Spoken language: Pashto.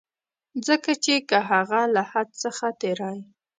ځکه چي که هغه له حد څخه تېری.